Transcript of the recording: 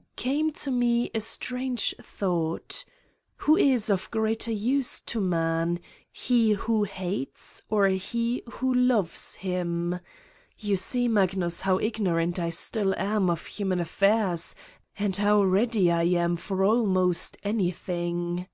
. came to me a strange thought: Who is of greater use to man he who hates or he who loves him I You see, Magnus, how ignorant I still am of human affairs and ... how ready I am for almost anything."